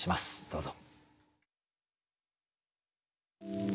どうぞ。